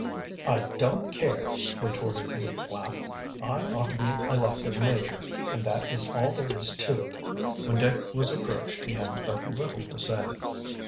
"I don't care," retorted Lew Flapp, "I ought to be elected major, and that is all there is to it." When Dick was approached he had but little to say.